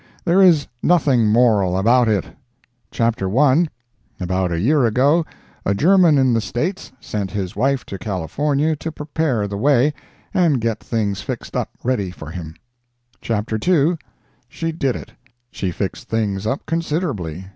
There is nothing moral about it. Chapter I.—About a year ago, a German in the States sent his wife to California to prepare the way, and get things fixed up ready for him. Chapter II.—She did it. She fixed things up, considerably.